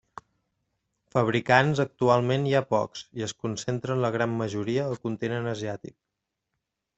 Fabricants actualment hi ha pocs, i es concentren la gran majoria al continent asiàtic.